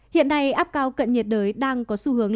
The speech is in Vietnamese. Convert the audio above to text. hiện nay áp cao cận nhiệt đới đang có xu hướng